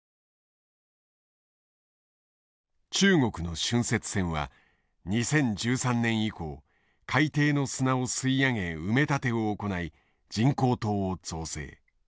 中国の浚渫船は２０１３年以降海底の砂を吸い上げ埋め立てを行い人工島を造成。